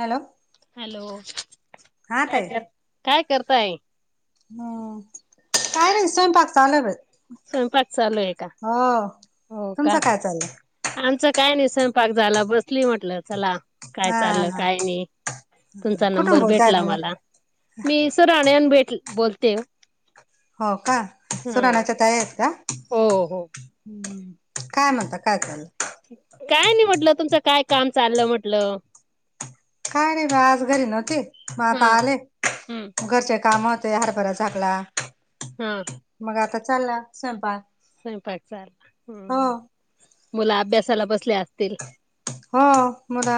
Hello, hello, हा काय ताई कर काय करताय? हम्म, काय नाही स्वयंपाक चालु आहे बाई. स्वयंपाक चालू आहे का. हो हो का तुमचं काय चाललंय आमचं काय नाही स्वयंपाक झाला बसली म्हटलं चला, काय हा चाललं हा काय नाही तुमचा कुठून नंबर बोलताय भेटला तुम्ही मला. मी सर राणयन भेट बोलते हो, हो का सुनानाच्या तयारित का, हो हो हम् काय म्हणता काय चाललं. काय नाही म्हटलं तुमचं काय काम चाललं म्हंटलं. काय नाही म आज घरी नव्हती म आता हा आले हं घरचे काम, ते हरभरा झाकला. हम्म मग आता चालला स्वयंपाक. स्वयंपाक चालु हो हम्म मुलं अभ्यासाला बसल्या असतील. हो मता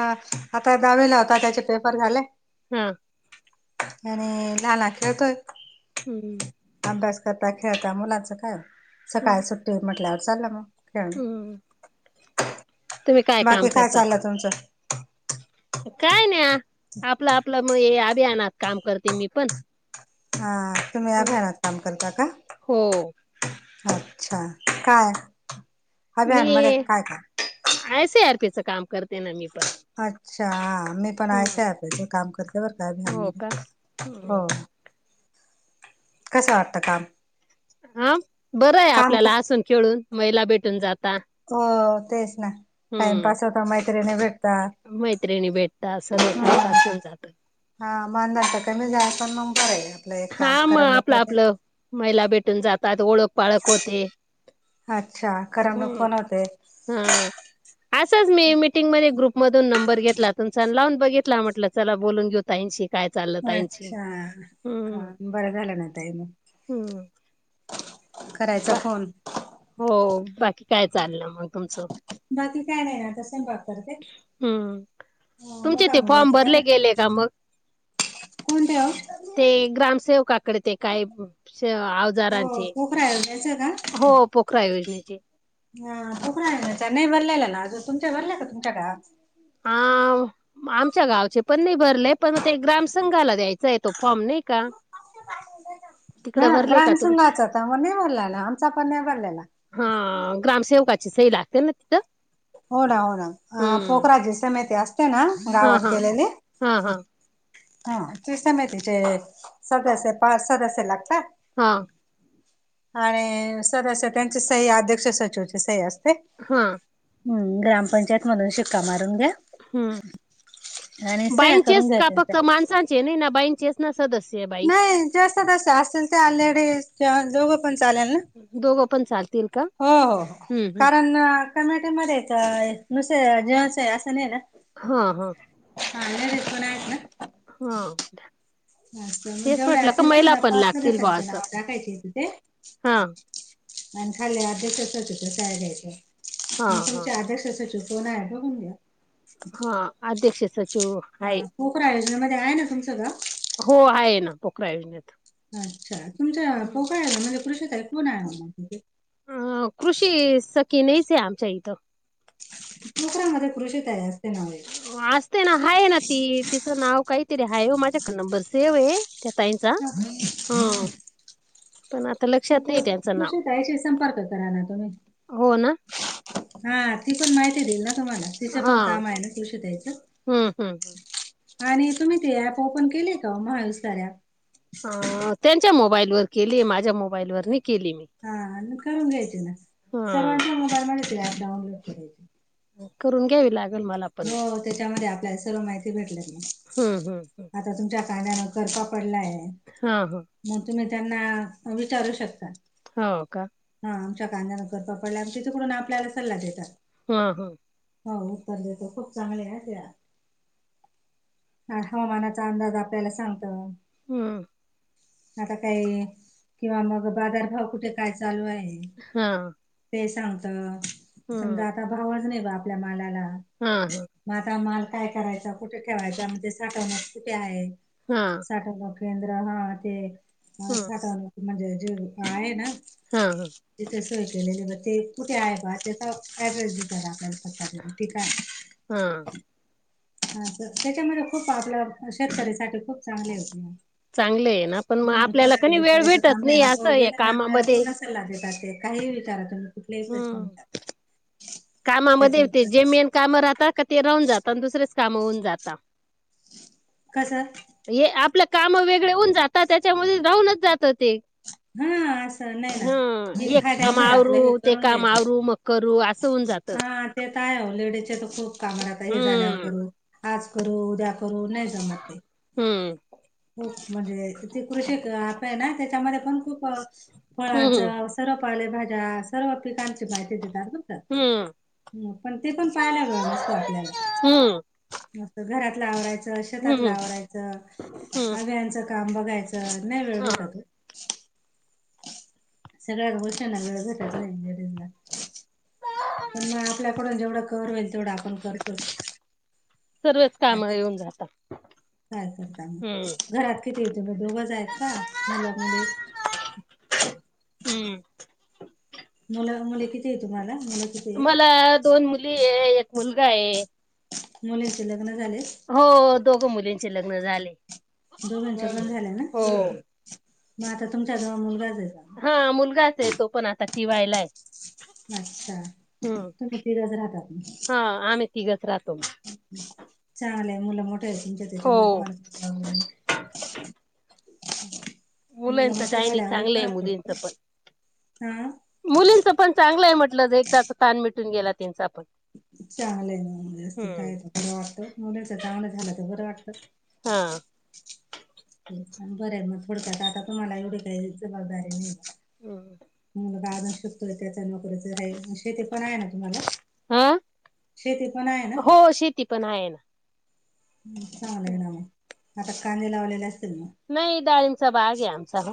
दहावीला होता आता त्याचे पेपर झाले. हम्म आणि लहान खेळतोय. हम्म अभ्यास करता खेळता मुलांचं काय हं सकाळी सुट्टी म्हटल्यावर चाललं खेळणं. हं. तुम्ही काम बाकी काय करता? चाललं तुमचं. काय नाही आपलं आपलं मग अभियानात काम करते मी पण, हा तुम्ही हं. अभीयानात काम करता का? हो अच्छा! काय मी अभियान मध्ये काय काय आयसी आरपीचं काम करते ना मी पण अच्छा मी पण आय हम्म. सी आर पी च ते काम करते बरं हो का? हम्म काय कसं वाटतं काम हा बरं आहे काम खूप आपल्याला असून खेळून महिला भेटून जाता. हो तेच ना टाइमपास हम्म होता मैत्रिणी भेट मैत्रिणी भेटता सर्व हम्म. टाइमपास होऊन जात. हा मानधन कमी जाल पण मग बर आपलं एक काम हा मग कराक आपलं होते. आपलं महिला भेटून जातात ओळख पाळख होते अच्छा ह. करमणूक पण होते हा असंच मी मिीटिंग मध्ये ग्रुप मधून नंबर घेतला तून स लावून बघित म्हटलं चला बोलून घेउन. ताईंशी काय चाललं ताईंशी, अच्छा हा हम्म बरं झालं ना ताई मग हम्म करायचा बा फोन. हो बाकी काय चाललं मग. तुमचं बाकी काय नाही आता स्वयंपाक करते. हम्म तुमचे मोठा ते फॉर्म मुलगाच काय भरले गेले का मग. कोणते ओ! ते ग्रामसेवकाकडे ते काय आवजारांचे कोक रायोजयचं का. हो पोखरा योजनेची. हा पोखरा योजनेचा नाही भरलेला ना तुमच्या गावात भरलाय का तुमच्याक हा आमच्या गावचे पण नाही भरलेय पण मग ते ग्रामसंघाला द्यायचा आहे तो फॉर्म नाही का. ह तिकडं भरले का ग्राम तुमच्या संघाचा तर मग नि भरलेला आमचा पण नाही भरलेला. हा ग्रामसेवकाची सही लागते ना तिथं. हो ना हो ना हम्म पोखराजी समिती असते ना हा गावात हा केलेली हा हा हा तु समतीचे सदस्य पाच सदस्य लागतात. हा. आणि सदस्य त्यांचे सही अध्यक्ष सचिवचे सही असते. हा. हम् ग्रामपंचायत मधून शिक्का मारून घ्या. ह् आणि सह्या करून बाईनचेस घ्या का त्यांच्या. फक्त माणसां चे न ना बाईन चेस ना सदस्य बाई नाही जास्त जास्त असेल लेडीज दोघं पण चालेल. दोघ पण चालतील. का हो हो हम्म हम्म कारण कमिट्यामध्येच नुस जीवस आहे असं नाही ना हा हा. हा लेडीज आहेत ना. हो. मग जेवढ्या असेल तेवढ्या पण पाच लागतील बा सदस्यांची असं नाव टाकायची आहेत तिथे हा आणि खाली अध्यक्ष, सचिवच्या सह्या घ्यायच्या हा मग हा तुमच्या अध्यक्ष, सचिव कोन आहे बघून घ्या. हा अध्यक्ष, सचिव हाये. होक आयोजनामध्ये आहे ना तुमच गाव? हो आहे ना पोकरा योजनेत. अच्छा तुमचा पोगळ आहेला म्हणजे कृषीत कोण आहे तिथे? अ कृषी स की नाहीच आहे आमच्या इथं. नोकऱ्यामध्ये कृषीत आहे असते नाव्हे. असते ना हाय ना ती तिचं नाव काहीतरी आहे हो माझ्याकड नंबर सेव्ह आहे. त्या ताईंचा. पण आता मग लक्षात नाही ते त्यांचं नाव कृषीताईशी संपर्क करा ना तुम्ही. हो ना. हा ती पण माहिती देईल ना तुम्हाला तिचं हा पण काम आहे ना कृषी त द्यायचं. हम्म हम् हम. आणि तुम्ही ते ऍप ओपन केलेय का मुस्तारप अ त्यांच्या मोबाईल वर केली माझ्या मोबाईल वरती नाही केली मी. हा करून घ्यायचे ना हा सर्वांच्या मोबाईल मध्ये ते ऍप डाऊनलोड करायची. करून घ्यावी लागल मला पण. हो त्याच्यामध्ये आपल्याला सर्व माहिती भेटले ना. हम्म हम्म हम्म. आता तुमच्या कांद्यान कर का पडला आहे. हा हा. मग तुम्ही त्यांना विचारू शकता. हो का? हा आमच्या कांद्याना कर का पडलाय, तिथे कडून आपल्याला सल्ला देतात. हां हां. हो उत्तर देतो खूप चांगले आहे त्या. ह हवामानाचा अंदाज आपल्या सांगत. हम्म. आता काही किंवा मग बाजारभाव कुठे काय चालू आहे हा ते सांगत हम्म समजा आता भावच नाही आपल्या मालाला हा हा मग आता माल काय करायचा कुठे ठेवायचा म्हणजे साठवण कुठे आहेत हा साठा लोक केंद्र हा ते ह साठा लोक म्हणजे जे आहे ना हा हा तिथे सोय केलेली होती कुठे आहे का त्याचा ऍड्रेस द आपल्याला पतला ठीक आहे हा ह त्यांच्यामध्ये खूप आपल्या शेतकरीसाठी खूप चांगले होते चांगलं आहे ना पण मग हम्म आपल्याला कोणाला कधी वेळ विचारायचं काम भेटत नाही हा असं पोर आहे गेला ना आपल्याला कामामध्ये पूर्ण काहीही विचारा तुम्ही कुठलेही प्रश्न हम्म विचारा कामामध्ये होते जे मेन काम राहतात का ते राहून जातात आणि दुसरेच काम होऊन जाता कसं हे आपलं काम वेगळे होऊन जातात त्यांच्यामध्ये राहूनच जात ते हा असं नाही ना हा हे एक काम फायद्याचं आहे आपलं हे आवरू ते करून काम घ्यायचं आवरू मग करू असं होऊन जात हा ते तर आहे लेडीजच्या तर खूप काम राहता हे झाल्यावर हम्म करू आज करू उद्या करू नाही जमत ते हम्म, खूप म्हणजे ती कृषी ॲप आहे ना त्यांच्यामध्ये पण खूप फळांच हम्म सर्व पालेभाज्या सर्व पिकांची माहिती देतात ना हम्म ह पण ते पण पाहायला वेळ नसतो आपल्याला हम्म नुसतं असं घरातलं आवरायचं शेतातलं हम्म आवरायचं हम्म अभयांचं काम बघायचं नाही वेळ हा भेटतो ओ [unintelligible] सगळ्या [unintelligible] बचटला [unintelligible] [unintelligible] पण मग आपल्याकडून जेवढं कर होईल तेवढं आपण करतोच सर्वच काय काम येऊन जाता काय करता हम्म मग घरात किती तुम्ही दोघंच आहेत का मुल मुली हम्म मुल मुली किती आहे तुम्हाला मुल किती आहेत मला दोन मुली आहे एक मुलगा आहे मुलींचे लग्न झालेत हो दोघ मुलींचे लग्न झाले दोघांच्या पण झाल्या ना हो मग आता तुमच्या जवळ मुलगाच आहे हा मुलगाच असे तो पण आता टिवायला आहे नाष्टा हम्म. तूम्ही तिघच राहतात ना हा आम्ही तिघच राहतो छान आहे मुलं मोठ्या आहे तुमच्या त्यांच्यामध्ये हो. तुम्हाला हम्म [unintelligible] मुलं मुलांचं मोठ काही नाही झाल्यावर चांगलं आहे फरक पडतो [unintelligible] हा मुलींच पण चांगलं आहे म्हटलं एकदा ताण मिटून गेला त्यांचा पण चांगलय मुलीचं [unintelligible] हम्म. आहे मुलीच चांगलं झालं तर बरं वाटत हा बरं हाय मग थोडक्यात आता तुम्हाला एवडी काय जबाबदारी नाही. हम, ा [unintelligible] शिकतोय त्याचा नोकरी शेती पण आहे ना तुम्हाला, हा शेती पण आहे ना? हो शेती पण आहेण चांगलं आहे ना, म आता कांदे लावलेले असतील ना? नाही डाळींबचा बाग हेय आमचा ह,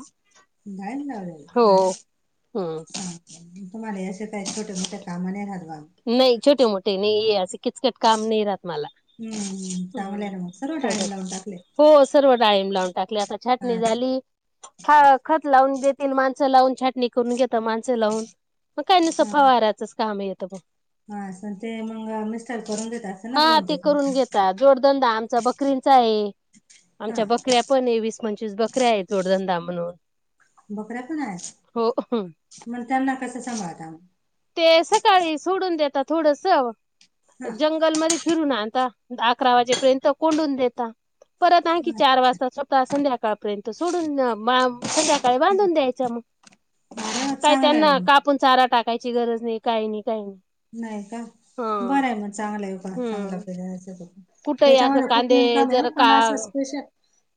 डाळींब लावलेले हो अरे हम् तुम्हाला असे काय छोट्या मोठ्या कामा नाही राहात बा नाही छोटे मोठे नाहीयं असे किचकट काम नाही राहत मला हम्म चांगलं हम्म. हाय र मग, सर्व त्याच्या डाळींब लावून टाकलयं हो सर्व डाळिंब लावून टाकली, आता छाटणी अरे झाली हो खत लावून देतील माणसं लावून छटणी करून घेत माण च लाऊन, मग काय नुसत हा फवाराचंच काम येतं म हा असल ते मंग मिस्टर करून देतात. हा ते करून घेता जोडधंदा आमचा बकरींचा हाये, हा आमच्या बकऱ्या पण एक वीस पंचवीस बकऱ्या आहे, जोडधंदा म्हणून बकऱ्या पण आहेत, हो. म त्यांना कसं सांभाळता म? ते सकाळी सोडून देतात थोडस, हा जंगलमध्ये फिरून आता, अकरा वाजेपर्यंत कोंडून देता परत आणखीन, की ह चार वाजता संध्याकाळपर्यंत सोडून बाम संध्याकाळी बांधून द्यायच मग, अरे वा काही चांगलं आहे त्यांना ना मग का पण चारा टाकायची गरज नाही, काय नाही, काय नाही नाही का, हा बरंय मग चांगलं आहे का चांगला हम्म [unintelligible] कुठही असं त्येच्यामध्ये खूप कांदे इन्कम हाय, जर का पण असं स्पेशल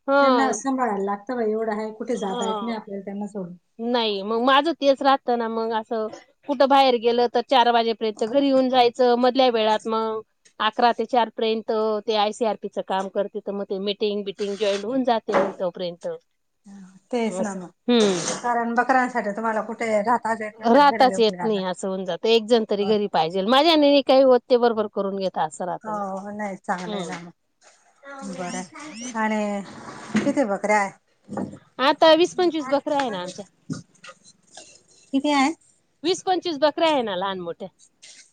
हा त्यांना असं वाडायला लागत बा, एवढं आहे कुठे जाता येत नाही हा आपल्याला त्यांना सोडून नाही, मग माझं तेच राहतं ना मग असं कुठं बाहेर गेलं तर चार वाजेपर्यंत घरी येऊन जायचं, मधल्या वेळात मग अकरा ते चार पर्यंत ते, आय सी आर पी च काम करत मग ते मीटिंग बिटिंग जॉईंड होऊन जात ते मग तोपर्यंत तेच ना असं म, हम्म कारण बकऱ्यानंसाठी तुम्हाला कुठे घा राहताच येत नाही, असं होऊन जात एक जण तरी घरी पाहिजेलं माझ्याने काही होत ते बरोबर करून घेत अस राहत ना, हम्म बरंय आणि किती ते बकऱ्या हाय आता वीस पंचवीस बकरे आहे ना आमच्या किती हाय वीस पंचवीस बकऱ्या आहे ना लहान मोठ्या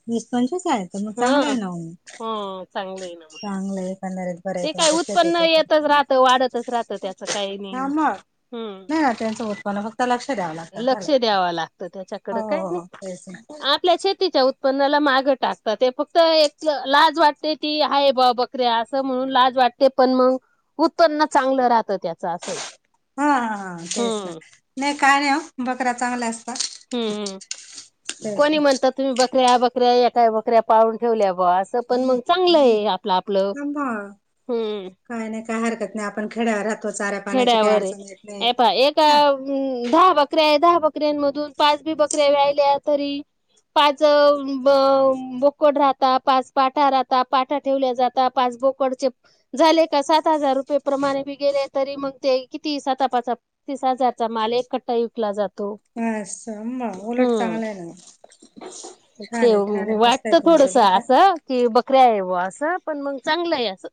वीस पंचवीस हायेत तर मग आहे ह नाऊ म, ह चांगलं आहे ना मग चांगलं हाय एकंदरीत बरं आहे ते काय तुमच्या उत्पन्न शेतीचं पण. येतच राहत, वाढतच राहतं त्याचं काही नाही, हम्म त्यांच उत्पन्न फक्त लक्ष द्याव लागत, लक्ष द्यावं लागतं त्याच्याकडं हो, हो, हो तेच ना तिच्या उत्पन्नाला माग टाकतात, ते फक्त एक लाज वाटते ती आहे बा बक असं म्हणून लाज वाटते पण मंग, उत्पन्न चांगलं राहतं त्याच असंय हा तेच ना, हम्म नाही काय नाही बकरा चांगला अस हम्, कोणी म्हणत तुम्ही बकऱ्या, बकऱ्या एका बकऱ्या पाळून ठेवल्या बस पण मग चांगलं हाय आपलं, आपलं ना मग हम्म काय नाही, काय हरकत नाही आपण खेड्या राहतो चाऱ्या पाण्याची काही अडचण येत नाही, च हम् दहा बकऱ्या दहा बकऱ्यांमधून पाच बी बकऱ्या रायल्या तरी पाच ब बोकड राहता पाच पाठा राहता पाठा ठेवल्या जातात पासबुक कडचे झाले का सात हजार रुपये प्रमाणे बी गेले तरी मग ते किती सातपाचा पस्ततीस हजारचा माल एक कट्टा विकला जातो हा अस हम उलट चांगलं हम्म आहे ना छान ते आहे छान आहे मस्त वाटत आहे तुमचं थोडस बरं का. असं कि बकऱ्या आहेव असं पण मग चांगलं आहे असं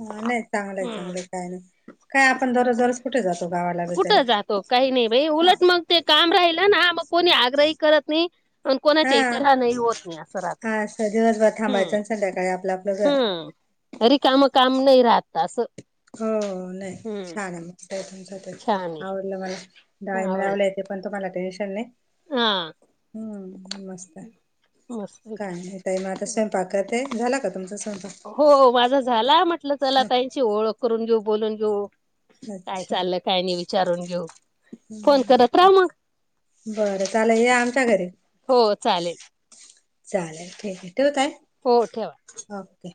ह नाही चांगलंय हम्म चांगलंय काय नाही काय आपण दरोज दरोज कुठे जातो गावाला बी तरी कुठं जातो काही नाही बाई हा उलट मग ते बाई काम राहिल ना मग कोणी आग्रही करत नाही प कोणाच्या इतर हा नाही होत नाही सरात अस दिवसभर हम्म थांबायचं आणि संध्याकाळी आपलं आपलं घर हम्म रिकामं काम काम नाही राहत तसं हो नाही छान आहे मग छान आहे आवडलं मला डाळींब लावला आवडलं येते पण तु मला टेन्शन नाही हा हम् मस्त आहे मस्त आहे काय का नाही काई मग आता स्वयंपाक ते झाला का तुमचां स्वयंपाक हो माझा झाला म्हटलं चला ताईची ओळख करून घेऊ बोलून घेऊ काय अच्छा चाललं काय नाही विचारून घेऊ फोन करत राहा हम्म मग बरं चला या आमच्या घरी हो चालेल चालेल ठीक आहे ठेवू ताई हो ठेवा ओके